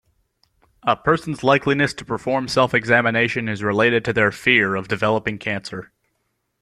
A person's likeliness to perform self-examination is related to their fear of developing cancer.